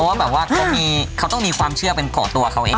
แบบว่าเขาต้องมีความเชื่อเป็นของตัวเขาเอง